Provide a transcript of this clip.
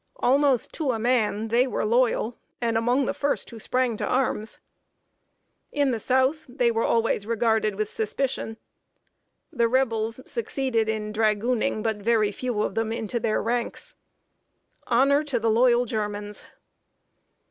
Almost to a man, they were loyal, and among the first who sprang to arms. In the South, they were always regarded with suspicion. The Rebels succeeded in dragooning but very few of them into their ranks. Honor to the loyal Germans!